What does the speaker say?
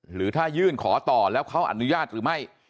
หรือถ้ายื่นขอต่อแล้วเขาอนุญาตหรือไม่